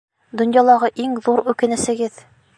— Донъялағы иң ҙур үкенесегеҙ?